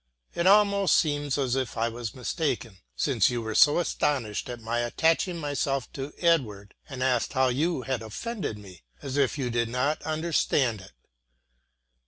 It almost seems as if I was mistaken, since you were so astonished at my attaching myself to Edward and asked how you had offended me, as if you did not understand it.